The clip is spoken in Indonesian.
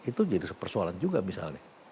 itu jadi persoalan juga misalnya